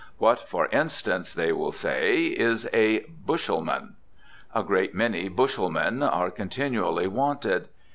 What, for instance (they will say) is a "bushelman"? A great many bushelmen are continually "wanted."